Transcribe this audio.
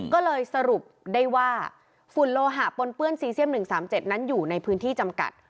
ก็เลยสรุปได้ว่าฝุ่นโลหะปนเปื้อนซีเซียม๑๓๗นั้นอยู่ในพื้นที่จำกัด